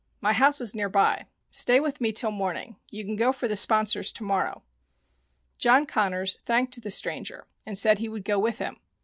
My house is near by. Stay with me till morning. You can go for the sponsors to morrow." John Connors thanked the stranger and said he would go with him.